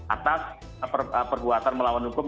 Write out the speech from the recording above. atas perbuatan melawan hukum